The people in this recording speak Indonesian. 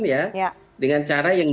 ya dengan cara yang